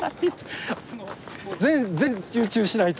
全集中しないと。